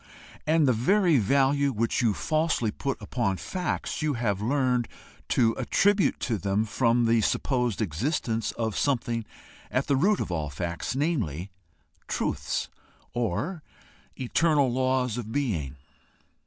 And the very value which you falsely put upon facts you have learned to attribute to them from the supposed existence of something at the root of all facts namely, TRUTHS, or eternal laws of being.